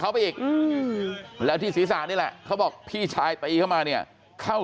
เขาไปอีกแล้วที่ศีรษะนี่แหละเขาบอกพี่ชายตีเข้ามาเนี่ยเข้า